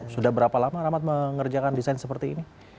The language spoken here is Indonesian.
sudah berapa lama rahmat mengerjakan desain seperti ini